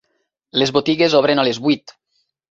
Les botigues obren a les vuit.